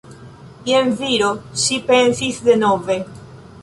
Jen viro, ŝi pensis denove.